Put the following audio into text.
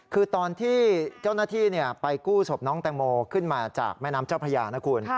คือตอนที่เจ้าหน้าที่ไปกู้ศพน้องแตงโมขึ้นมาจากแม่น้ำเจ้าพระยานะคุณ